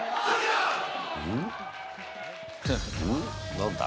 何だ？